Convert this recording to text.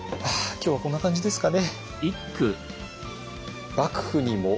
今日はこんな感じですかね。